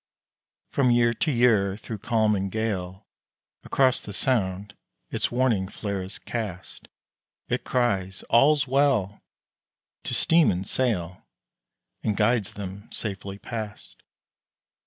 From year to year, thro' calm and gale, Across the Sound its warning flare is cast It cries "All's well!" to steam and sail And guides them safely past.